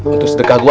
untuk sedekah gua